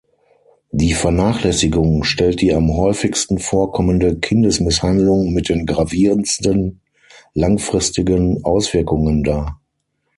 Die Vernachlässigung stellt die am häufigsten vorkommende Kindesmisshandlung mit den gravierendsten langfristigen Auswirkungen dar.